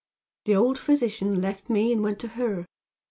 "The old physician left me and went to her.